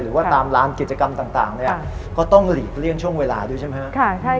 หรือว่าตามร้านกิจกรรมต่างก็ต้องหลีกเลี่ยงช่วงเวลาด้วยใช่ไหมครับ